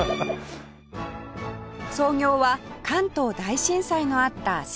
創業は関東大震災のあった１９２３年